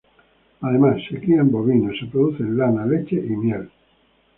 Además se crían bovinos, se produce lana, leche y miel.